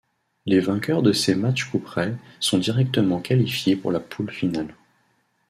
Les vainqueurs de ces matches couperets sont directement qualifiés pour la poule finale.